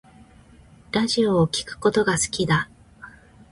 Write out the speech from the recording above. ラジオを聴くことが好きだ